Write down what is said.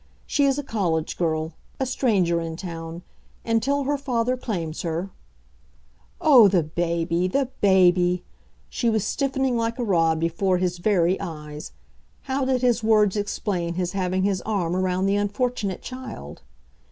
She is a college girl, a stranger in town, and till her father claims her " Oh, the baby! the baby! She was stiffening like a rod before his very eyes. How did his words explain his having his arm round the unfortunate child?